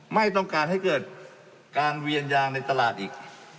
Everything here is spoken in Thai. ไม่ต้องการให้เกิดการเวียนยางในตลาดอีก